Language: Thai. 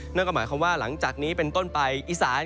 นั่นก็หมายความว่าหลังจากนี้เป็นต้นไปอีสาน